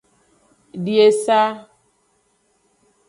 Di esa.